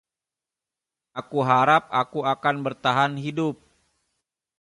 Aku harap aku akan bertahan hidup.